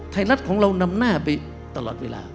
ไทยรัฐของเรานำหน้าไปตลอดเวลา